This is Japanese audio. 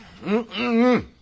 うんうん。